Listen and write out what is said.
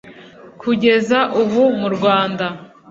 Kugeza ubu mu Rwanda